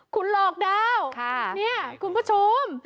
คุณหลอกเท้าเนี่ยคุณผู้ชม